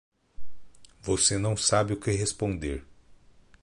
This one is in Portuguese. Você não sabe o que responder.